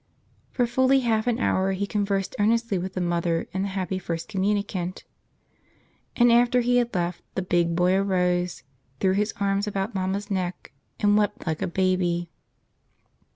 For fully half an hour he conversed earnestly with the mother and the happy first communicant. And after he had left the big boy arose, threw his arms about mamma's neck, and wept like a baby.